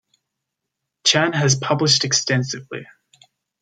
Chan has published extensively.